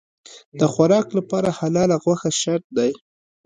د خوراک لپاره حلاله غوښه شرط دی.